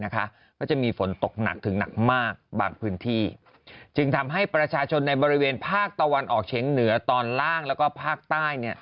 ก็จะมีฝนตกหนักถึงหนักมากบางพื้นที่จึงทำให้ประชาชนในบริเวณภาคตะวันออกเฉียงเหนือตอนล่างแล้วก็ภาคใต้